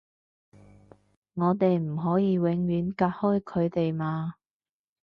我哋唔可以永遠隔開佢哋嘛